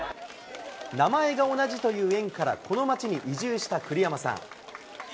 名前が同じという縁から、この町に移住した栗山さん。